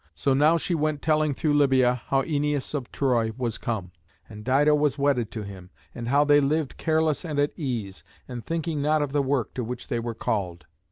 So now she went telling through Libya how Æneas of Troy was come, and Dido was wedded to him, and how they lived careless and at ease, and thinking not of the work to which they were called.